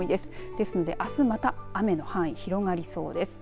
ですので、あすまた雨の範囲広がりそうです。